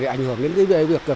để ảnh hưởng đến cái việc